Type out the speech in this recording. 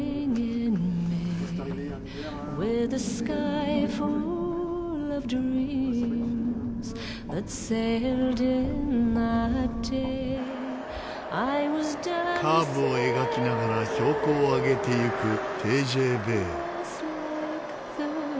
カーブを描きながら標高を上げていくＴＧＶ。